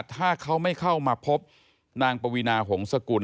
ถ้าเขาไม่เข้ามาพบนางปวีนาหงษกุล